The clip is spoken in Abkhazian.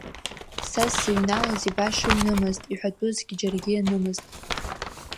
Са сзыҩналоз ибаша ҩнымызт, иҳәатәызгьы џьаргьы ианымызт.